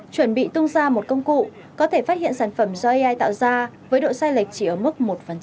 chuẩn bị tung ra một công cụ có thể phát hiện sản phẩm do ai tạo ra với độ sai lệch chỉ ở mức một